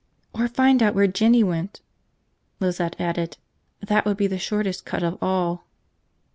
"Or find out where Jinny went," Lizette added. "That would be the shortest cut of all!"